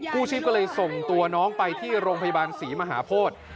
ผู้ชีพก็เลยส่งตัวน้องไปที่โรงพยาบาลศรีมหาโพธิ